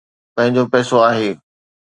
پنهنجو پئسو آهي.